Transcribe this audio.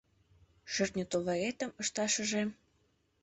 Шӧртньӧ товаретым ышташыже